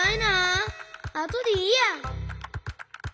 あとでいいや。